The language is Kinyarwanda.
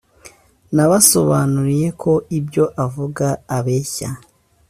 Nabasobanuriye ko ibyo avuga abeshya